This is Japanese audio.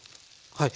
はい。